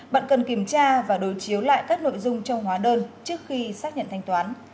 bạn cần kiểm tra và đối chiếu lại các nội dung trong hóa đơn trước khi xác nhận thanh toán